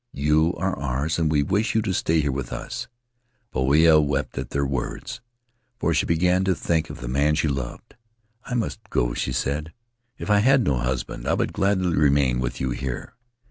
You are ours and we wish you to stay here with us.' Poia wept at their words, Faery Lands of the South Seas for she began to think of the man she loved. 'I must go,' she said; 'if I had no husband I would gladly re main with you here.'